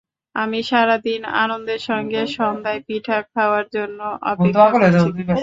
আমি সারা দিন আনন্দের সঙ্গে সন্ধ্যায় পিঠা খাওয়ার জন্য অপেক্ষা করছি।